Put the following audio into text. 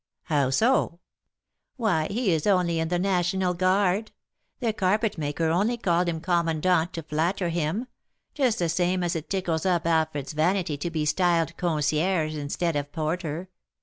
"How so?" "Why, he is only in the National Guard! The carpet maker only called him commandant to flatter him: just the same as it tickles up Alfred's vanity to be styled concierge instead of porter.